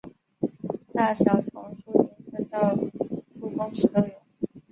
大小从数英寸到数公尺都有。